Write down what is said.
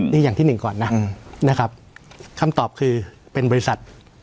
นี่อย่างที่หนึ่งก่อนนะนะครับคำตอบคือเป็นบริษัท